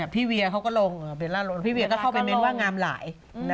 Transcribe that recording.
พี่เวียเขาก็ลงเบลล่าลงพี่เวียก็เข้าไปเน้นว่างามหลาย